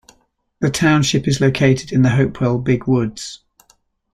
The township is located in the Hopewell Big Woods.